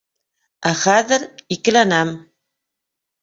Ә хәҙер - икеләнәм.